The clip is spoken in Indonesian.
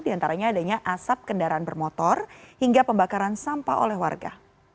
di antaranya adanya asap kendaraan bermotor hingga pembakaran sampah oleh warga